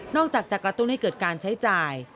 จากจะกระตุ้นให้เกิดการใช้จ่าย